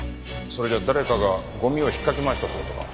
それじゃ誰かがゴミを引っかき回したという事か。